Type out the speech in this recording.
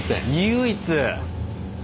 唯一！